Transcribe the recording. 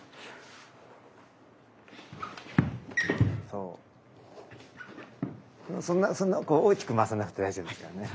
そんなそんな大きく回さなくて大丈夫ですからね。